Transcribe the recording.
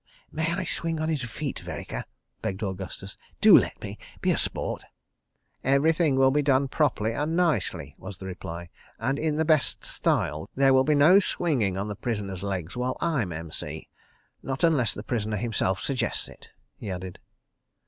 "May I swing on his feet, Vereker?" begged Augustus. "Do let me! ... Be a sport. ..." "Everything will be done properly and nicely," was the reply, "and in the best style. There will be no swinging on the prisoner's legs while I'm M.C. ... Not unless the prisoner himself suggests it," he added.